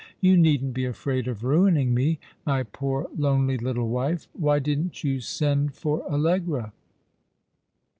You needn't be afraid of niining me. My poor lonely little wife. Why didn't you send for Allegra